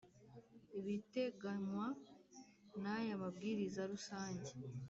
Ibiteganywa n aya mabwiriza rusange